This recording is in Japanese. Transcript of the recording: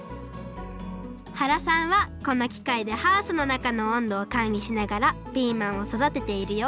原さんはこのきかいでハウスのなかのおんどをかんりしながらピーマンをそだてているよ